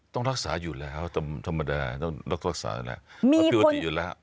ต้องรักษาอยู่แล้วธรรมดาต้องรักษาอยู่แล้ว